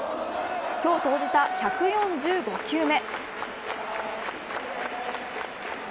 今日投じた１４５球目。